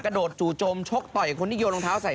โดดจู่โจมชกต่อยคนที่โยนรองเท้าใส่